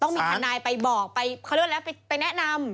ต้องมีธนายไปบอกไปเคลื่อนแล้วไปแนะนำ